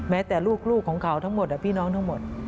แต่ลูกของเขาทั้งหมดพี่น้องทั้งหมด